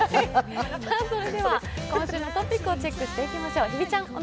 今週のトピックをチェックしていきましょう。